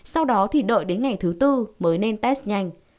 sau đó thì đợi đến ngày thứ tư mới nên test nhanh